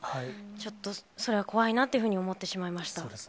ちょっと、それは怖いなっていうふうに思ってしまいました。